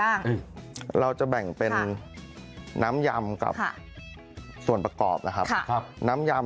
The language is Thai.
ข้างบัวแห่งสันยินดีต้อนรับทุกท่านนะครับ